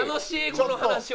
この話は。